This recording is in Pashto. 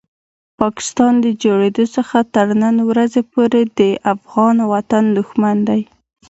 پاکستان د جوړېدو څخه تر نن ورځې پورې د افغان وطن دښمن دی.